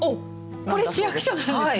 これ、市役所なんですね。